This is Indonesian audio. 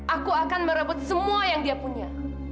aku akan merebut semua yang dia punya